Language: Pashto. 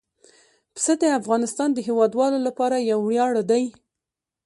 پسه د افغانستان د هیوادوالو لپاره یو ویاړ دی.